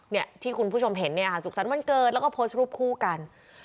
เนี่ยที่คุณผู้ชมเห็นเนี่ยค่ะสุขสรรค์วันเกิดแล้วก็โพสต์รูปคู่กัน